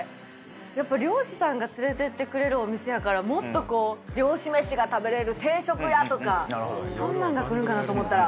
やっぱ、漁師さんが連れていってくれるお店やから、もっとこう漁師飯が食べれる定食屋とか、そんなんが来るんかなと思ったら。